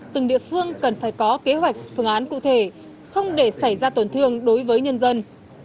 từng địa phương cần phải có kế hoạch phương án cụ thể không để xảy ra tổn thương đối với nhân dân